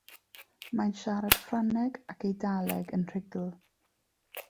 Mae'n siarad Ffrangeg ac Eidaleg yn rhugl.